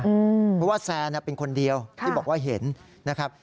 เพราะว่าแซนเป็นคนเดียวที่บอกว่าเห็นนะครับ